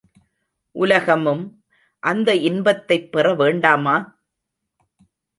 உலகமும் அந்த இன்பத்தைப் பெற வேண்டாமா?